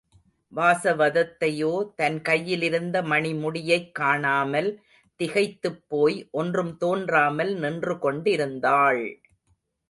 வாசவதத்தையோ தன் கையிலிருந்த மணிமுடியைக் காணாமல் திகைத்துப்போய் ஒன்றும் தோன்றாமல் நின்று கொண்டிருந்தாள்!